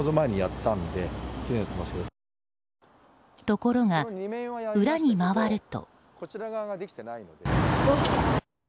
ところが、裏に回ると。